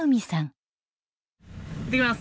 行ってきます！